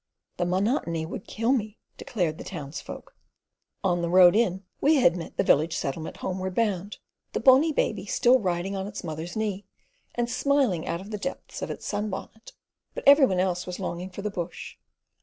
"The monotony would kill me," declared the townsfolk. On the road in we had met the Village Settlement homeward bound—the bonnie baby still riding on its mother's knee, and smiling out of the depths of its sunbonnet; but every one else was longing for the bush.